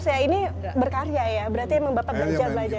saya ini berkarya ya berarti emang bapak belajar belajar